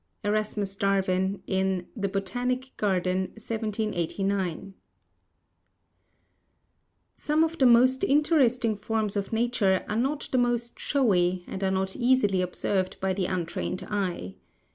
Erasmus Darwin, in The Botanic Garden, 1789. Some of the most interesting forms of nature are not the most showy and are not easily observed by the untrained eye.